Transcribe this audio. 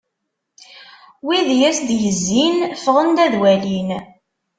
Wid i as-d-yezzin ffɣen-d ad walin.